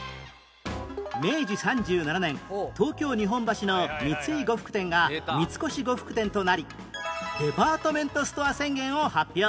明治３７年東京日本橋の三井呉服店が三越呉服店となりデパートメントストア宣言を発表